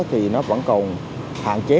thì nó vẫn còn hạn chế